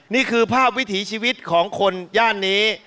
นี่คือภาพวิถีชีวิตของคนย่านนี้